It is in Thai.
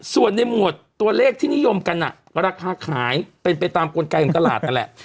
ส่วนในหมวดตัวเลขที่นิยมกันราคาขายเป็นไปตามกลไกของตลาดนั่นแหละ